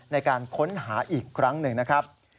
ในการค้นหาอีกครั้งหนึ่งนะครับ